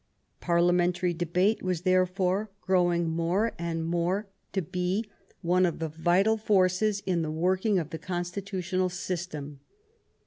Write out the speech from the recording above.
Parliamentary debate was, therefore, growing more and 15 THE REIGN OF QUEEN ANNE more to be one of the vital forces in the working of the constitutional system.